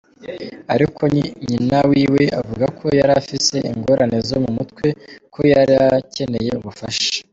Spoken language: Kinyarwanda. Ariko nyina wiwe avuga ko yari afise ingorane zo mu mutwe, ko yarakeneye ubufasha.